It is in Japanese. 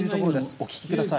お聞きください。